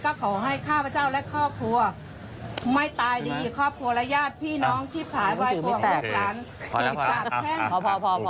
ก็ขอให้ข้าพเจ้าและครอบครัวไม่ตายดีครอบครัวและญาติพี่น้องที่ผายว่ายกว้าง